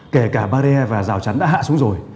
kể cả barrier và rào chắn đã hạ xuống rồi